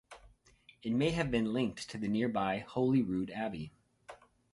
It may have been linked to the nearby Holyrood Abbey.